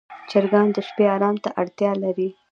چرګان د شپې آرام ته اړتیا لري.